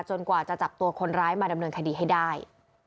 กว่าจะจับตัวคนร้ายมาดำเนินคดีให้ได้